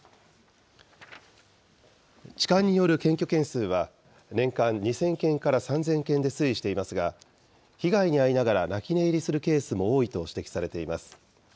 痴漢による検挙件数は、年間２０００件から３０００件で推移していますが、被害に遭いながら泣き寝入りするケースも多いと指摘されています。